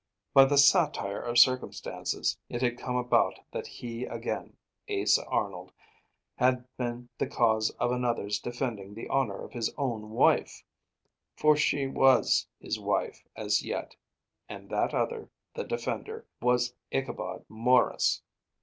By the satire of circumstances it had come about that he again, Asa Arnold, had been the cause of another's defending the honor of his own wife, for she was his wife as yet, and that other, the defender, was Ichabod Maurice!